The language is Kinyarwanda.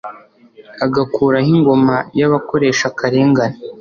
agakuraho ingoma y'abakoresha akarengane